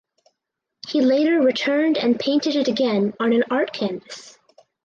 He later returned and painted it again on an art canvas.